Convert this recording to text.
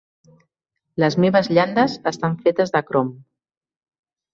Les meves llandes estan fetes de crom.